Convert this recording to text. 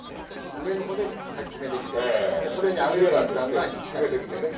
上の方で先決めてきてそれに合うようにだんだん下にね。